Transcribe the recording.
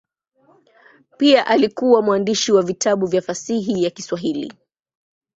Pia alikuwa mwandishi wa vitabu vya fasihi ya Kiswahili.